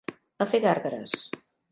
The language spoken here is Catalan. A fer gàrgares.